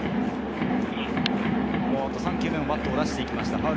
３球目もバットを出していきました。